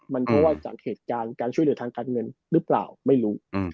มันเพราะว่าจากเหตุการณ์การช่วยเหลือทางการเงินหรือเปล่าไม่รู้